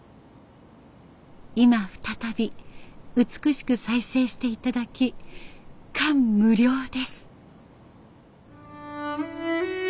「今再び美しく再生していただき感無量です」。